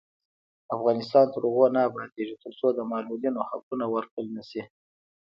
افغانستان تر هغو نه ابادیږي، ترڅو د معلولینو حقونه ورکړل نشي.